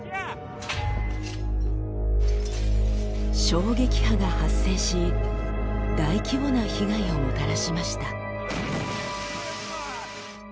衝撃波が発生し大規模な被害をもたらしました。